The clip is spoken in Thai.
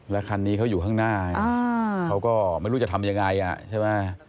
คันนี้เขาอยู่ข้างหน้าไงเขาก็ไม่รู้จะทำยังไงใช่ไหม